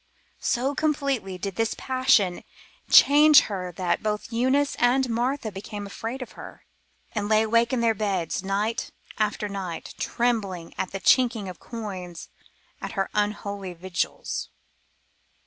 So completely did this passion change her that both Eunice and Martha became afraid of her, and lay awake in their beds night after night trembling at the chinking of the coins at her unholy vigils.